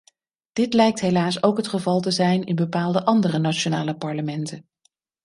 Dit lijkt helaas ook het geval te zijn in bepaalde andere nationale parlementen.